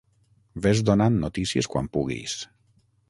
Vés donant notícies quan puguis.